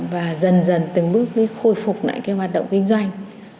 và dần dần từng bước mới khôi phục lại cái hoạt động kinh doanh